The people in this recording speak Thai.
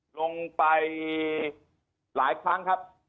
ลงไปหลายครั้งครับ